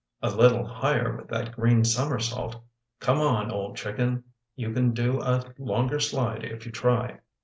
"A little higher with that green somersault! Come on, old chicken, you can do a longer slide if you try!